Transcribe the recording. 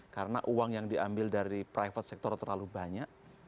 karena uang yang diambil dari private sector terlalu banyak